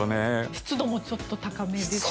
湿度もちょっと高めですかね。